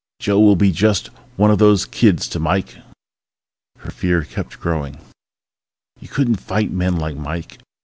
Joe will be just one of those kids to Mike ..._ Her fear kept growing. You couldn't fight men like Mike.